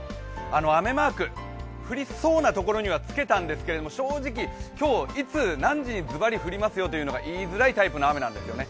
雨マーク、降りそうなところにはつけたんですけど正直、きょういつ何時にズバリ降りますよと言いづらいタイプの雨なんですよね。